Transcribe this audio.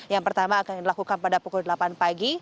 yang pertama akan dilakukan pada pukul delapan pagi